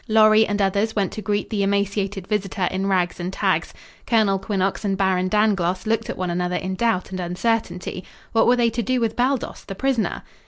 Lorry and others went to greet the emaciated visitor in rags and tags. Colonel Quinnox and Baron Dangloss looked at one another in doubt and uncertainty. What were they to do with Baldos, the prisoner?